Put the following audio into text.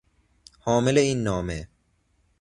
حامل این نامه